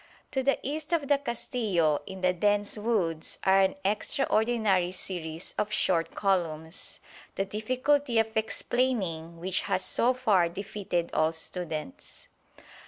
To the east of the Castillo in the dense woods are an extraordinary series of short columns, the difficulty of explaining which has so far defeated all students.